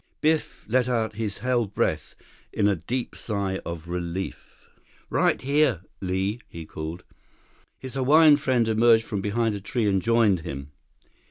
45 Biff let out his held breath in a deep sigh of relief. "Right here, Li," he called. His Hawaiian friend emerged from behind a tree and joined him.